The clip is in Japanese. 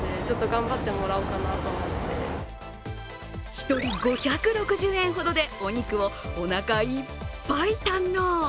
１人５６０円ほどでお肉をおなかいっぱい堪能。